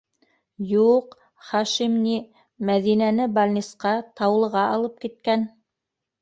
Ю-у-уҡ, Хашим ни, Мәҙинәне балнисҡа, Таулыға алып киткән.